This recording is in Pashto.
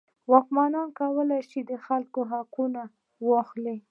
واکمنان کولی شول د خلکو حقوق واخلي.